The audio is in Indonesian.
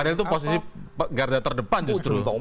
padahal itu posisi garda terdepan justru